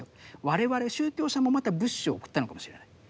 我々宗教者もまた物資を送ったのかもしれない。